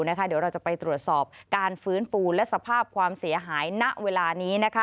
เดี๋ยวเราจะไปตรวจสอบการฟื้นฟูและสภาพความเสียหายณเวลานี้